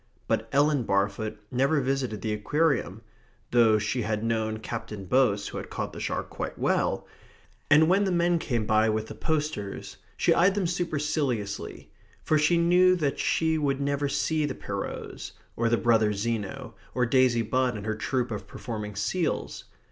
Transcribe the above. But Ellen Barfoot never visited the Aquarium (though she had known Captain Boase who had caught the shark quite well), and when the men came by with the posters she eyed them superciliously, for she knew that she would never see the Pierrots, or the brothers Zeno, or Daisy Budd and her troupe of performing seals.